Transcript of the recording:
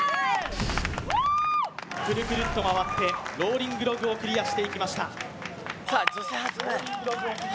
くるくるっと回ってローリングログをクリアしていきました。